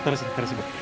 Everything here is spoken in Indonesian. taruh sini taruh sini